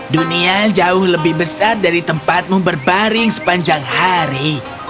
dunia jauh lebih besar dari tempatmu berbaring sepanjang hari